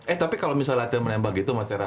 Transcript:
eh tapi kalau misalnya latihan menembak gitu mas erak